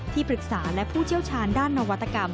ปรึกษาและผู้เชี่ยวชาญด้านนวัตกรรม